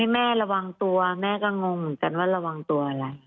แม่ระวังตัวแม่ก็งงเหมือนกันว่าระวังตัวอะไร